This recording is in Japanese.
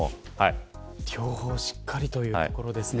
情報をしっかりということですね。